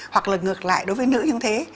hoặc là ngược lại đối với nữ như thế